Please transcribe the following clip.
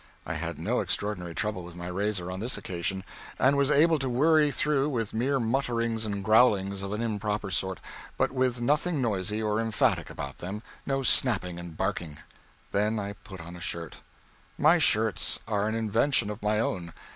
I had no extraordinary trouble with my razor on this occasion, and was able to worry through with mere mutterings and growlings of an improper sort, but with nothing noisy or emphatic about them no snapping and barking. Then I put on a shirt. My shirts are an invention of my own.